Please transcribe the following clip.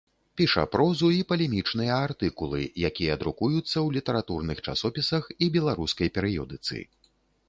Піша прозу і палемічныя артыкулы, якія друкуюцца у літаратурных часопісах і беларускай перыёдыцы.